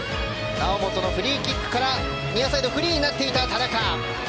猶本のフリーキックからニアサイドフリーになっていた田中。